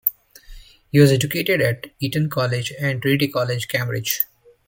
He was educated at Eton College and at Trinity College, Cambridge.